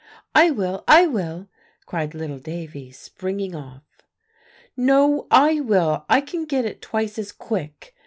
"I will I will!" cried little Davie, springing off. "No, I will; I can get it twice as quick!"